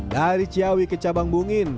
dari ciawi ke cabang bungin